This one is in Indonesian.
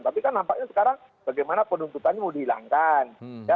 tapi kan nampaknya sekarang bagaimana penuntutannya mau dihilangkan